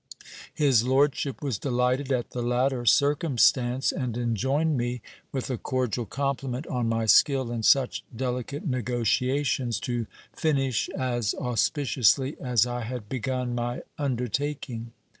His lordship was delighted at the latter circumstance, and enjoined me, with a cordial compliment on my skill in such delicate negociations, to finish as auspi ciously as I had begun my undertaking.